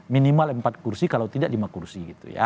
minimal empat kursi kalau tidak lima kursi